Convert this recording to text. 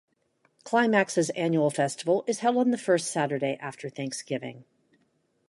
Climax's annual festival is held on the first Saturday after Thanksgiving.